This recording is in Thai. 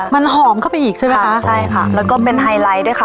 มันหอมเข้าไปอีกใช่ไหมคะใช่ค่ะแล้วก็เป็นไฮไลท์ด้วยค่ะ